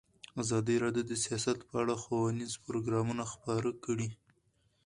ازادي راډیو د سیاست په اړه ښوونیز پروګرامونه خپاره کړي.